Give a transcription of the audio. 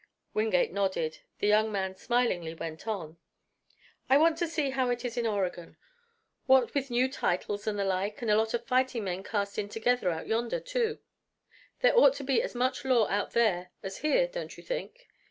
Wingate nodded. The young man smilingly went on: "I want to see how it is in Oregon. What with new titles and the like and a lot of fighting men cast in together out yonder, too there ought to be as much law out there as here, don't you think?